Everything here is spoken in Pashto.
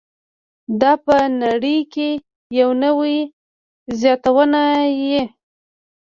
ته په نړۍ کې یوه نوې زياتونه يې.